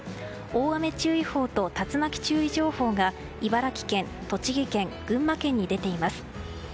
大雨注意報と竜巻注意情報が茨城県、栃木県、群馬県に出ています。